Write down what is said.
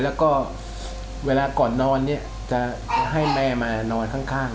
แล้วก็เวลาก่อนนอนเนี่ยจะให้แม่มานอนข้าง